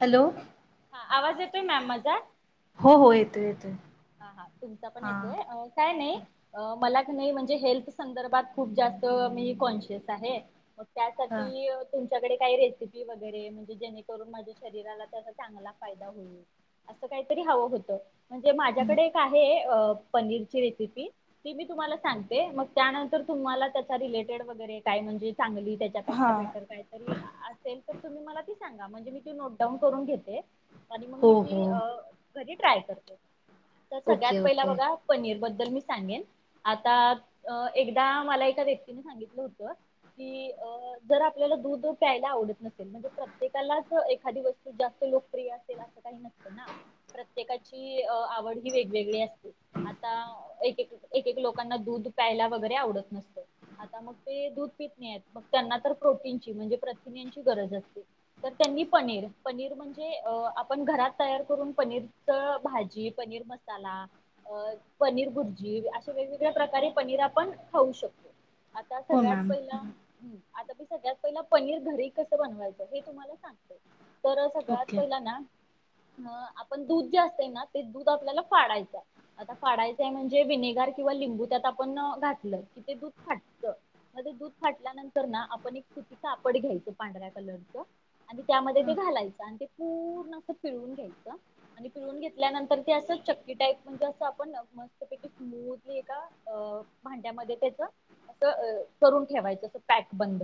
Hello. हा आवाज येतोय मॅम मझा? हो हो येतोय येतोय. हा हा तुमचा पण हां येतोय काय नाही. मला कणी म्हणजे हेल्थ संदर्भात खूप जास्त मी कॉन्शियस आहे. त्यासाठी हां ईय तुमच्याकडे काही रेसिपी वगैरे म्हणजे जेणेकरून माझ्या शरीराला त्याचा चांगला फायदा होईल. असं काहीतरी हवं होतं, म्हणजे हम्म. माझ्याकडे एक आहे अ पनीरची रेसिपी. ती मी तुम्हाला सांगते मग त्यानंतर तुम्हाला त्याच्या रिलेटेड वगैरे काय म्हणजे चांगली त्या त्या हा. पेक्षा बेटर काही तरी असेल तर तुम्ही मला ती सांगा म्हणजे मी ती नोटडाऊन करून घेते. आणि मग हो मी हो ती अ घरी ट्राय करते, तर सगळ्यात ओके पहिला ओके. बघा. पनीर बद्दल मी सांगेन, आता, अ एकदा मला एका व्यक्तीने सांगितलं होतं. की अ जर आपल्याला दूध प्यायला आवडत नसेल म्हणजे प्रत्येकालाच एखादी वस्तू जास्त लोक प्रिय असेल असं काही नसतं ना, प्रत्येकाची आवड ही वेगवेगळी असते. आता एक एक एक एक लोकांना दूध प्यायला वगैरे आवडत नसत. आता मग ते दूध पित नाहीयेत मग त्यांना तर प्रोटीनची म्हणजे प्रथिनिनची गरज असते. तर त्यांनी पनीर पनीर म्हणजे अ आपण घरात तयार करून पनीरच भाजी पनीर म चला. अ पनीर भुर्जी अशे वेगवेगळ्या प्रकारे पनीर आपण खाऊ शकतो. आता हो सगळ्यात मॅम. पहिलं हम्म, आता मी सगळ्यात पहिला पनीर घरी कसं बनवायचं हे तुम्हाला सांगते. तर सगळ्यात ओके. पहिलं ना आपण दूध जे असत ना ते दूध आपल्याला फाडायच. आता फाडायचंय म्हणजे विनेगर किंवा लिंबू त्यात आपण घातलं कि ते दूध फाटत. मते दूध फाटल्यानंतर ना आपण एक सुतीचापड घ्यायचं पांढऱ्या कलरच. आणि त्यामध्ये ते घालायचं आणि ते पूर्ण अस पिळून घ्यायचं. आणि पिळून घेतल्यानंतर ते असं च टाईप म्हणजे असं आपण मस्त पैकी स्मूथली एका अ भांड्यामध्ये त्याच असं करून ठेवायचं अस पॅक बंद.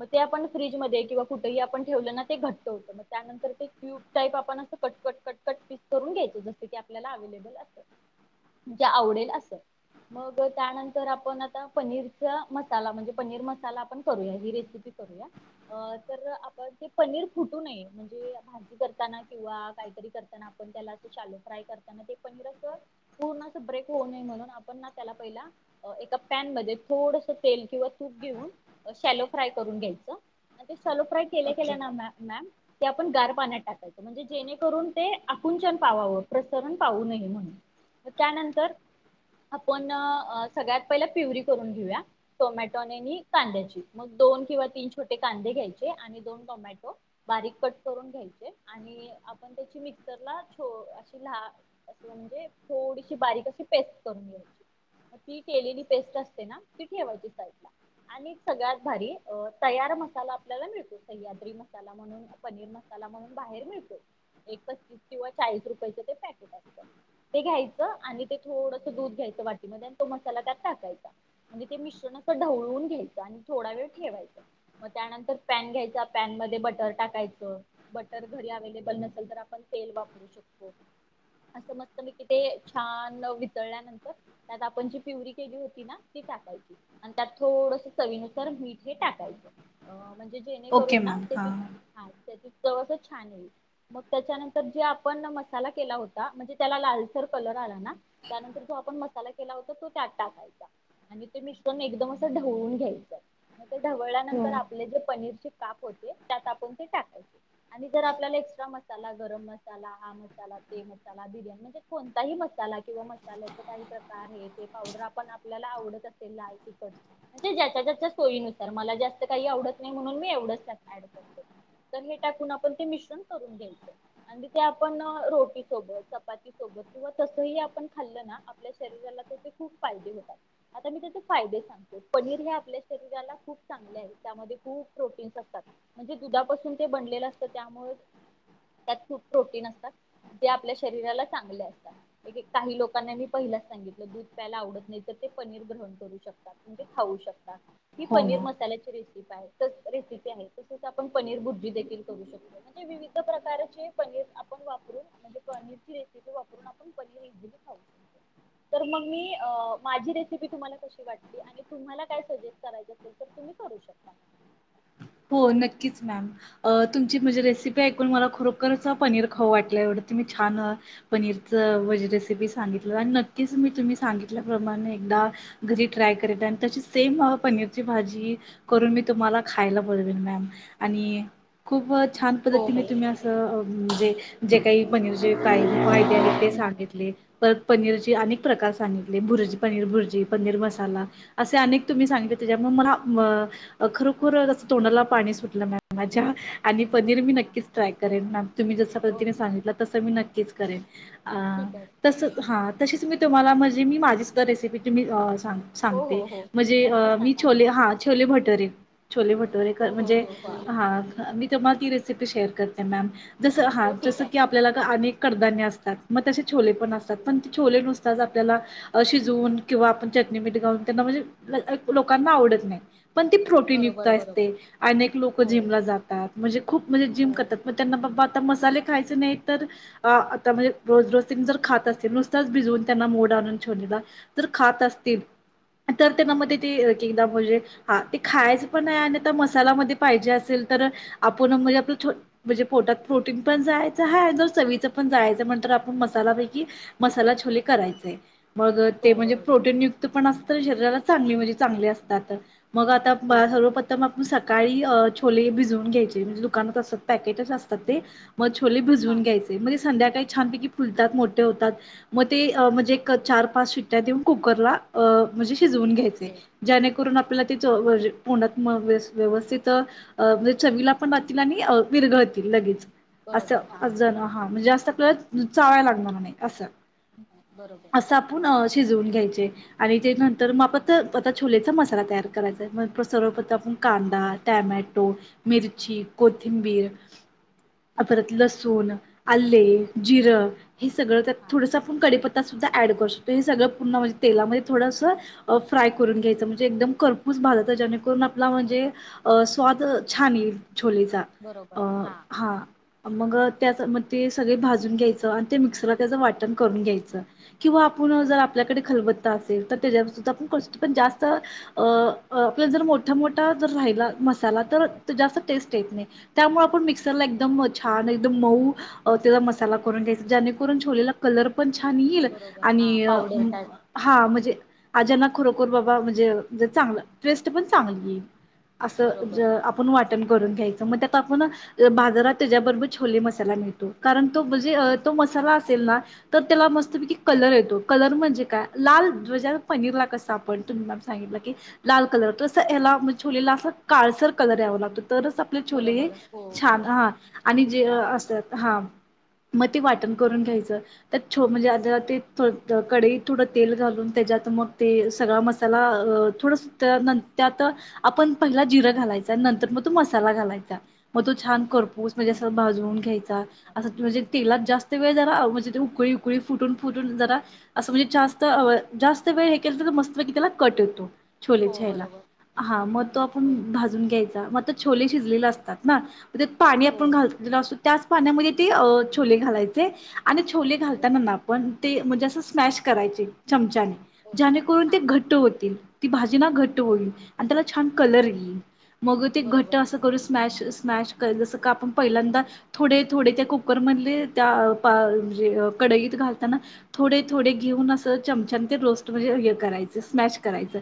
मग ते आपण फ्रीजमध्ये किंवा कुठेही आपण ठेवलं ना ते घट्ट होतं मग त्यानंतर ते क्यूब टाईप आपण असं cut, cut, cut, cut piece करून घ्यायचो जसं की आपल्याला अवलेबल असेल. म्हणजे आवडेल अस. मग त्यानंतर आपण आता पनीरचा मसाला म्हणजे पनीर मसाला आपण करूया ही रेसिपी करुया तर आपण ते पनिर फुटू नये म्हणजे ते करताना किंवा काहीतरी करताना आपण त्याला अस शालू फ्राय करताना ते पनीर अस पूर्ण अस ब्रेक होऊ नये म्हणून आपण ना त्याला पहिला एका पॅनमध्ये थोडस तेल किंवा तूप घेऊन शॅलो फ्राय करून घ्यायचं. आन ते शॅलो फ्राय केल्या, ओके केल्या ना मॅम ते आपण गार पाण्यात टाकायचं म्हणजे जेणेकरून ते आकुंचन पावाव प्रसरण पाहू नये म्हणून म त्यानंतर आपण सगळ्यात पहिले पिवरी करून घेऊया. टोमॅटो आणि आणि कांद्याची मग दोन किंवा तीन छोटे कांदे घ्यायचे आणि दोन टोमॅटो बारीक कट करून घ्यायचे आणि आपण त्याची मिक्सरला छो अशी ल अस म्हणजे थोडीशी बारीक अशी पेस्ट करून घ्यायची. ती केलेली पेस्ट असते ना ती ठेवायची साईड ला. आणि सगळ्यात भारी तयार मसाला आपल्याला मिळतो सह्याद्री मसाला म्हणून पनीर मसाला म्हणून बाहेर मिळतो एक पस्तीस किंवा चाळीस रुपय ते पॅकेट अ ते घ्यायचं आणि ते थोडस दूध घ्यायचं वाटीमध्ये आणि तो मसाला त्यात टाकायचा. म्हणजे ते मिश्रणाच ढवळून घ्यायचं आणि थोडा वेळ ठेवायच. मग त्यानंतर पॅन घ्यायचा पॅन मध्ये बटर टाकायच. बटर घरी अवेलेबल नसेल तर आपण तेल वापरू शकतो. असं मस्त मी कि ते छान वितळल्यानंतर त्यात आपण जी पिवरी केली होती ना ती टाकायची. आणि त्यात थोडस चवीनुसार मीठ हे टाकायचं अ म्हणजे जेणे ओके करून ना मॅम त्याची हां. हा त्याची चव छान आहे मग त्याच्यानंतर जे आपण मसाला केला होता. म्हणजे त्याला लालसर कलर आला ना त्यानंतर जो आपण मसाला केला होता तो त्यात टाकायचा. आणि ते मिश्रण एकदम असं ढवळून घ्यायचं. मग ते हो ढवळल्यानंतर आपले जे पनीरचे काप होते. त्यात आपण ते टाकायचे आणि जर आपल्याला एक्स्ट्रा मसाला गरम, मसाला हा, मसाला ते मसला बिर्याणी म्हणजे कोणताही मसाला किंवा मसाल्याच काही प्रकार आहे. हे ते पावडर आपण आपल्याला आवडत असेल लाल तिखट. म्हणजे ज्यांच्या ज्यांच्या सोयीनुसार मला जास्तं कांहीं आवडतं नाहीं म्हणून मी एवढंच ऍड करते. हे टाकूंन आपणं ते मिश्रण करूंन घ्यायचं आणि ते आपण रोटी सोबत चपाती सोबत किंवा तसही आपणं खाल्लं ना आपल्या शरीराला त्याचे खूंप फायदे होतात. आता मी त्याचे फायदे सांग पनीर हे आपल्या शरीराला खूंप चांगले आहे त्यांमध्ये खूप प्रोटीन्स असतात. म्हणजे दुधापासून ते बनलेलं असतं त्यामुळें त्यांत खूप प्रोटीन्स असतात. ते आपल्या शरीराला चांगले असतात. एक एक कांहीं लोकांनां मी पहिलाच सांगितलं दूध प्यायला आवडतं नाहीं तरं ते पनीर ग्रहण करूं शकतात. म्हणजे खाऊ शकता ही हो पनीर मॅम. मसाल्याची रेसिपी काय तर रेसिपी आहे तसंच आपणं पनीर भुर्जी देखील करू शकतो. म्हणजे विविध प्रकारचे पनीर आपण वापरू म्हणजे पनीरची रेसिपी वापरून आपण पनीर इझिली खाऊ तर मग मी माझी रेसिपी तुम्हाला कशी वाटली आणि तुम्हाला काय सजेस्ट करायचं अस तुम्ही करू शकता. हो नक्कीच मॅम! अ तुमची म्हणजे रेसिपी ऐकून मला खरोखरंच पनीर खाऊं वाटलंय एवढं तू मी छान पनीरच रेसिपी सांगितलं आणि नक्कीचं मी तुम्ही सांगितल्याप्रमाणे एकदा घरी ट्राय करते आणि तशी सेम पनीरची भाजी करून मी तुम्हाला खायला बनवीणार आणि खूंप छान हो पद्धतीने हो. तुम्ही असं. म्हणजे जे काही पनीरचे कायफायदे आहेत ते सांगितले. परत पनीरची अनेक प्रकार सांगितले भुर्जी पनीर भुर्जी पनीर मसांला असे अनेक तुम्हीं सांगितले त्यांच्यामुळे मला खरोखरंच तोंडला पाणी सुटलं मा माझ्या. आणि पनीर मी हा हा नक्कीच ट्राय करेन म तुम्हीं जसं पद्धतीनें ओके. सांगितल तसं मी नक्कीच करेन. ठीक आहे. तसं हां तशीच मी तुम्हांला म्हणजे मी माझीचं तरं रेसिपी तुम्हीला सांगते हो सांगते हो हो म्हणजे अ नक्की मी सांगा छोले हां छोले भटुरे छोले. इंदोरीकर हो हो म्हणजे हो हो हा. मी तुम्हां ती रेसिपी शेअर करते मॅम जसं हां हो ठीक जसं आहे की आपल्याला कां अनेक कडधान्य असतात मग तसे छोले पण असतात पण ते छोले नुसतात आपल्याला शिजवून किंवा आपण चटणी मिठ घालून त्यांना म्हणजे लोकांना आवडत नाही. पण ती प्रोटीन युक्त बरोबर बरोबर असते अनेक लोक हो जिमला जातात म्हणजे खूप म्हणजे हो जिम करतात मग त्यांना बाबा आता मसाले खायचे नाही तर अ आता म्हणजे रोज रोज तिन्ही जर खात असतील नुसतच भिजवून त्यांना मोड आणून छोलेला तर खात असतील तर त्यांना हां मध्ये ते एक एकदा म्हणजे हा ते खायचं पण आहे आणि तर मसाला मध्यें पाहिजे असेल तर आपण म्हणजे आपल छो म्हणजे पोटात प्रोटीन पण जायच हाय जर चवीच पण जायच हा नंतर आपणं मसालापैकी मसाला छोले करायचे. मग हो ते म्हणजे बरोबर प्रोटीन युक्त पण असतय शरीराला चांगली म्हणजे चांगले असतात. मग आता हो मान हळू पण मग सकाळीं छोले भिजून घ्यायचे म्हणजे दुकानात असत पॅकेट असतात ते मग छोले हां भिजवून घ्यायचे म्हणजे संध्याकाळी छानपैकी फुलतात मोठे होतात मग ते म्हणजे एक चार पाच सिट्ट्या देऊन कुकरला अ म्हणजे शिजवून घ्यायचे ओके जेणेकरून आपल्याला ते चव अशी तोंडात मग व व्यवस्थित म्हणजे चवीला पण राहतील आणि विरघळतील लगेच अस बरोबर हां जण हा म्हणजे जास्त आपल्याला चावायला लागणार नाहीं असं. बरोबर. असं आपूणं अ शिजवूंन घ्यायचे. आणि ते नंतर मापत आता छोले चां मसाला तयांर करायचा मगं प सर्वप त आपूण कांदा, टॅमॅटो, मिर्ची, कोथिंबीर आ परत लसूण, आले, जिरं हे सगळंत हां थोडंस आपूण कडीपत्ता सुद्धा ऍड करू शकतो हे सगळ पूर्ण मजे हां तेलामध्ये. थोडस अ फ्राय करून घ्यायचं म्हणजे एकदम करपूस भाजत जेणेकरून आ पला म्हणजे अ स्वाद छान येईल छोलेचा. अ बरोबर हा. हां. मग त्याच म ते सगळे भाजून घ्यायचं आणि ते मिक्सरला त्याचं वाटण करून घ्यायचं. किंवा आपूण हो जर आपल्याकडे खलब त्ता असेल त्याच्यात सुद्धा आपुन [unintelligible] पन जास्त अ आपल्या जर मो मोठा, मोठा जर राहिला मसाला तर त जास्त टेस्ट येत नाही. त्यामुळ आपण मिक्सरला एकदम छान एकदम मऊ अ त्याचा मसाला करून घ्यायचा, ज्यानेकरून छोलेला कलर पण छान ईल बरोबर हां आणि पावडर टाईप हां म्हणजे आज याना खरोखोर बाबां म्हणजेे जर चांगला टेस्ट पणं चांगलीं येईल. अस ज बरोबर हां आपण वाटण करून घ्यायच मग त्यात आपूण बाजारात त्याच्याबरोबर छोले मसाला मिळतो, कारण तो ब जे तो मसाला असेल ना तर त्याला मस्तपैकी कलर येतो कलर म्हणजे काय, लाल ध्वजा पनीर ला कस आपण तुम सांगितलं की लाल कलर तस याला म छोलेला अस काळसर कलर यावा लागतो तरचं आप आपले छोले हे बरोबर हो हो छान हा छान आणि जे दिसतात असत्यात हा. म ते वाटण करून घ्यायचं. त्यात छो म्हणजे आता ते थो कडयीत थोडं तेल घालून त्याच्यात मग ते सगळा मसा त्याला अ थोडस त्यांतना त्यात आपण पहिला जिरं घालायचा, नंतर म तो मसाला घालायचा. म तो छान करपूस म्हणजे अस भाजुन घ्यायचा असं त म्हणजे. तेलात जास्त वेळ जरा म्हणजे ते उकळी, उकळी फुटून, फुटून जरा. असं म्हणजे जास्त अवेळ जास्त वेळ हे केल तर मस्तपैकी त्याला कट येतो. छोले हो छायला बरोबर हा मग तो आपुन हो भाजून घ्यायचा म त छोले शिजलेले असतात ना. त्याच्यात पाणी हो आपण घातलेलं असतो, त्याच पाण्यामध्ये ते अ छोले घालायचे. आणि छोले बर घालताना ना आपण ते म्हणजे असं स्मॅश करायचे चमच्याने. ओके ज्याणेकरून ते हां घट्ट होतील, ती भाजीना घट्ट होईल. आणि त्याला छान हां कलर येईल मग ते घट्ट बरोबर असं करू. स्मॅश, स्मॅश कर स कापूण पहिल्यांदा. थोडे, थोडे त्या कुकर मधले त्या पा म्हणजे कडईत घालताना. थोडे, थोडे घेऊन असं चमच्यान ते रोस्ट म्हणजे हे करायच स्मॅश. करायच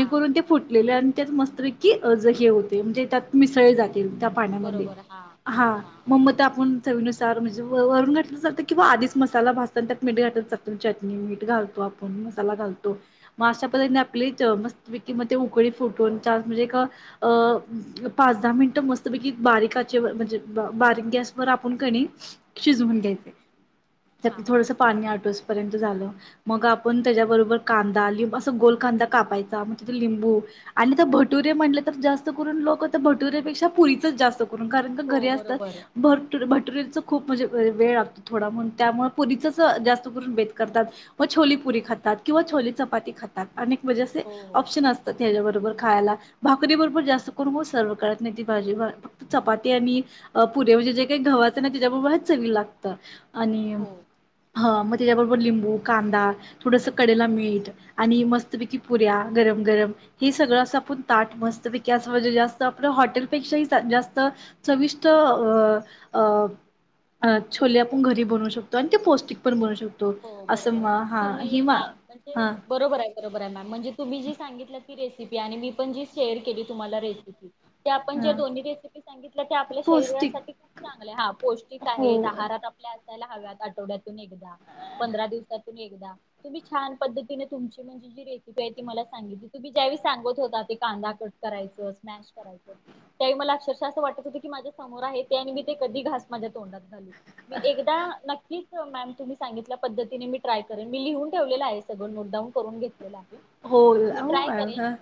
हां ते. फुटलेले आणि त्यात मस्तपैकी ज हे होते म्हणजे त्यात मिसळ ले जातील. पाण्यामदे बरोबर हां हा! हां म, म त आपूण चवीनुसार म जे वरून घातलं चालत किंवा आधीच मसाला भाजतांना त्यात मीठ घातल चा चटणी मीठ घालतो, आपूण मसाला घालतो, म आश्या पद्धतीने आपली च मस्त कि म ते उकळी फुटून चा म्हणजे एक अ पाच दहा मिनटं मस्तपैकी बारीकआचेव म्हणजे बारीक गॅसवर आपूण कणी. शिजवून घ्यायचे त्याततल हां हां थोडस पानी आटूस पर्यंत झालं मग आपण त्याच्याबरोबर कांदा लिंब अस गोल कांदा कापायचा. तिथं लिंबू आणि तर भटुरे म्हटतर जास्त करून लोक भटुरे पेक्षा पुरीच जास्त करून का हो घरी असतात, बरोबर भर भटुरेचं खूप म्हणजे वेळ लागतो थोडा, म्हणून त्यामुळ पुरीचंच जास्त करून बेत करतात. मग छोली पुरी खातात किंवा छोली चपाती खातात अनेक वजे असे हो हो ऑप्शन असतात. त्याच्याबरोबर खायला, भाकरी बरोबर जास्त करून हो सर्व काळात नाही ती भाजी चपाती आणि पुरे म्हणजे जे काही घवाचं ना त्याच्याबरोबर हेच चवी लागत. आणि म हो ह मग त्याच्याबरोबर लिंबू, कांदा थोडंस कडेला मीठ आणि मस्तपैकी पुऱ्या गरम-गरम हे सगळं असं आपण ताट मस्त पैकी अस, म्हणजे जास्त आपलं हॉटेलपेक्षाही जास्त चविष्ट अ अ अ छोले आपण घरी बनवू शकतो, आणि ते पौष्टिक पण बनवू शकतो. तो हो असं बरोबर आहे. म हा हि तुम्ही मा हा म्हणजे हा बरोबर आहे बरोबर आहे, मॅम, म्हणजे तुम्ही जी सांगितलं ती रेसिपी, आणि मी पण जी शेअर केली तुम्हाला रेसिपी ते आपण ज्या हा दोन्ही रेसिपी सांगितल्या त्या आपल्या पौष्टिक शरीरासाठी चांगल्या हा पौष्टिक हो आहेत आहारात आपल्या असायला हव्यात आठवड्यातून एकदा पंधरा दिवसातून एकदा तुम्ही छान पद्धतीने तुमची म्हणजे जी रेसिपी आहे, ती मला सांगितली, तुम्ही ज्यावेळी सांगत होता ते कांदा क करायचं स्मॅश करायचं. त्या वेळी मला अक्षरशः असं वाटत होतं की माझ्या समोर आहे, ते आणि मी ते कधी घास माझ्या तोंडात घालू मी एकदा नक्कीच मॅम तुम्ही सांगितलं पद्धतीने मी ट्राय करेन मी लिहून ठेवलेलं आहे, सगळं नोटडाऊन करून घेतलेलं आहे. हो मी हो ट्राय मॅम करेन हा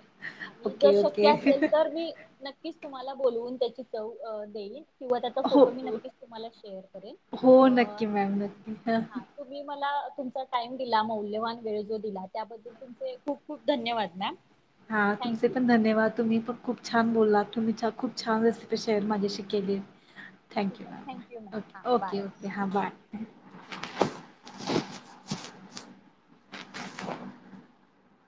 आणि जर ओके शक्य ओके असेल तर मी नक्कीच तुम्हाला बोलवून त्याची चव देईल. किंवा त्याचा हो फोटो मी हो नक्कीच तुम्हाला शेअर करेन हो, अ नक्की मॅम नक्की हा तुम्ही मला तुमचा टाइम दिला मौल्यवान वेळ जो दिला, त्याबद्दल तुमचे खूप-खूप धन्यवाद मॅम. हा, तुमचे थँक्यू पण धन्यवाद तुम्ही प खूप छान बोलला, तुम्ही खूप छान रेसिपी शेअर माझ्याशी केली. ठीक थँक्यू आहे मॅम, थँक्यू हां बाय ओके-ओके-ओके, हां बाय.